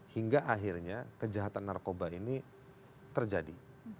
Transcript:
hingga akhirnya kejahatan narkoba ini terjadi